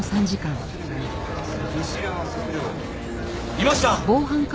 いました！